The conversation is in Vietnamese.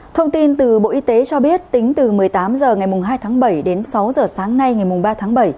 thông tin từ bộ y tế cho biết tính từ một mươi tám h ngày hai tháng bảy đến sáu h sáng nay ngày ba tháng bảy